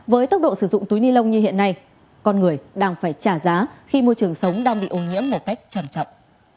với tốc độ sử dụng túi ni lông như hiện nay con người đang phải trả giá khi môi trường sống đang bị ô nhiễm một cách trầm trọng